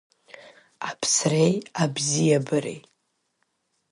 Аԥсреи абзиабареи!